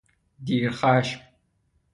دیر خشم